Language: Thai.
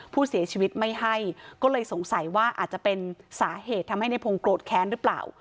ผู้เสียชีวิตไม่ให้ก็เลยสงสัยว่าอาจจะเป็นสาเหตุทำให้ในพงศ์โกรธแค้นหรือเปล่า